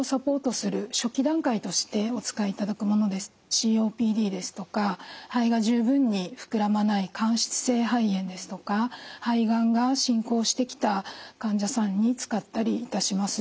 ＣＯＰＤですとか肺が十分に膨らまない間質性肺炎ですとか肺がんが進行してきた患者さんに使ったりいたします。